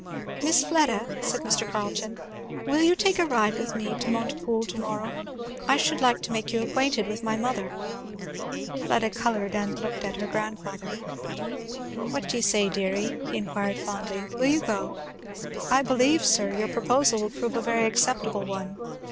"Miss Fleda," said Mr. Carleton, "will you take a ride with me to Montepoole to morrow? I should like to make you acquainted with my mother." Fleda coloured and looked at her grandfather. "What do you say, deary?" he inquired fondly; "will you go? I believe, sir, your proposal will prove a very acceptable one.